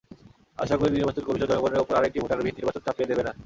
আশা করি, নির্বাচন কমিশন জনগণের ওপর আরেকটি ভোটারবিহীন নির্বাচন চাপিয়ে দেবে না।